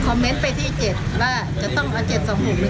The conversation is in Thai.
คอมเม้นต์ไปที่๗ว่าจะต้อง๗๒๖มี๙๒๖